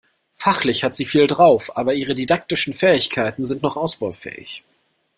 Fachlich hat sie viel drauf, aber ihre didaktischen Fähigkeiten sind noch ausbaufähig.